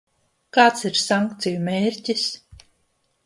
Kāds ir sankciju mērķis?